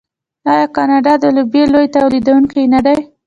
آیا کاناډا د لوبیا لوی تولیدونکی نه دی؟